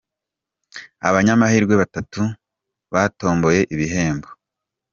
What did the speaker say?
Abanyamahirwe batatu batomboye ibihembo